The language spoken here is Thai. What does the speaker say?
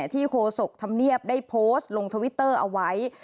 โฆษกธรรมเนียบได้โพสต์ลงทวิตเตอร์เอาไว้